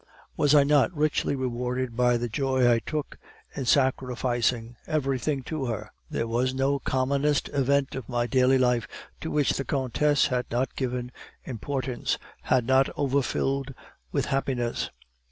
Was I not richly rewarded by the joy I took in sacrificing everything to her? There was no commonest event of my daily life to which the countess had not given importance, had not overfilled with happiness.